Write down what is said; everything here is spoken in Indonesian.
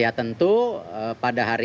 mas ini tadi tadi